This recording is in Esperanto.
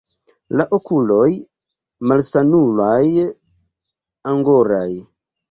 La okuloj malsanulaj, angoraj.